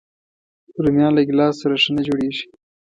رومیان له ګیلاس سره ښه نه جوړيږي